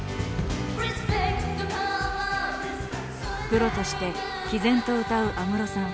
プロとして毅然と歌う安室さん。